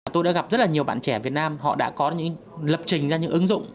tôi đã gặp rất là nhiều bạn trẻ việt nam họ đã có những lập trình ra những ứng dụng